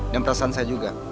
dan perasaan saya juga